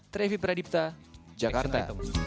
trevi pradipta jakarta